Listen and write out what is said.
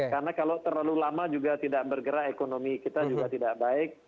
karena kalau terlalu lama juga tidak bergerak ekonomi kita juga tidak baik